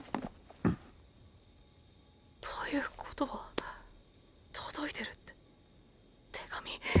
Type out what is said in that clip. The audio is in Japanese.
ん？ということは届いてるって手紙。